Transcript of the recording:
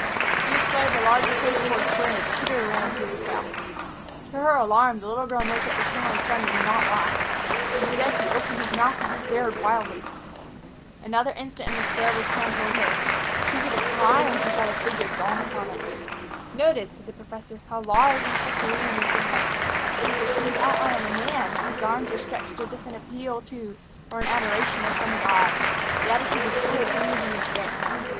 He displayed the larger pasteboard square and a titter ran through the crowd. To her alarm, the little girl noticed that the colonel's son did not laugh. Instead, he opened his mouth and stared wildly. Another instant and the square was turned toward her. She gave a cry when she saw the figure drawn upon it. "Notice," said the professor, "how large and Cæsarean is the head. It is the crude outline of a man whose arms are outstretched as if in appeal to or in adoration of some god. The attitude is full of dignity and strength.